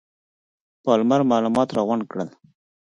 پالمر معلومات راغونډ کړل.